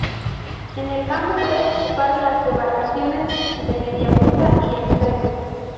En el campo puede ocupar las demarcaciones de mediapunta y extremo.